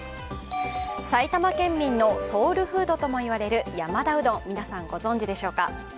埼玉県民のソウルフードとも言われる山田うどん、皆さんご存じでしょうか。